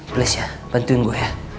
please ya bantuin gua ya